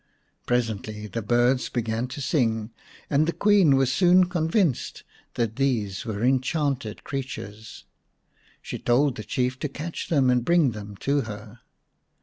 Presently the birds began to sing, and the Queen was soon convinced that these were enchanted creatures. She told the Chief to catch them and bring them to her.